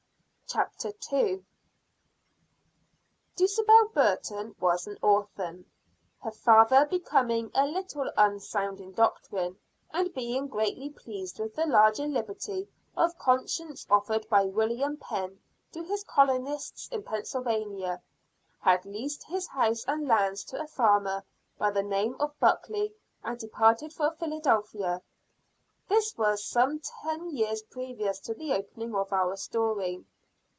CHAPTER II. In Which Some Necessary Information is Given. Dulcibel Burton was an orphan. Her father becoming a little unsound in doctrine, and being greatly pleased with the larger liberty of conscience offered by William Penn to his colonists in Pennsylvania, had leased his house and lands to a farmer by the name of Buckley, and departed for Philadelphia. This was some ten years previous to the opening of our story.